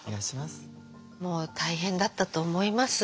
もう大変だったと思います。